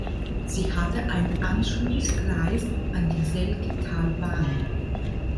Sie hatte ein Anschlussgleis an die Selketalbahn.